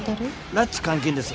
拉致・監禁です。